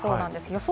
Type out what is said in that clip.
予想